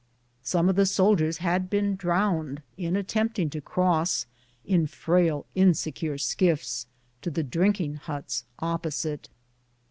Some of the soldiers had been drowned in attempting to cross, in frail, insecure skiffs, to the drinking huts opposite.